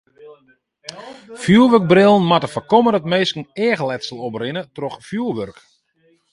Fjoerwurkbrillen moatte foarkomme dat minsken eachletsel oprinne troch fjoerwurk.